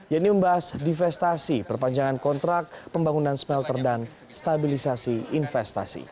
yaitu membahas divestasi perpanjangan kontrak pembangunan smelter dan stabilisasi investasi